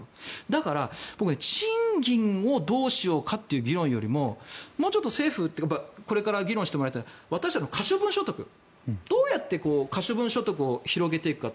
だから賃金をどうしようかという議論よりももうちょっと政府というかこれから議論してもらいたいのは私たちの可処分所得どうやって可処分所得を広げていくか。